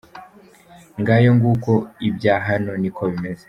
Ngayo nguko ibya hano niko bimeze.